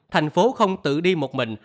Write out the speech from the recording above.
thành phố không tự đi một mình